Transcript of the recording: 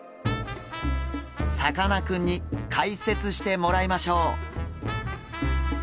さかなクンに解説してもらいましょう。